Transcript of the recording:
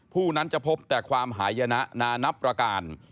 ผู้นั้นจะพบแต่ความหายนะนานับประการ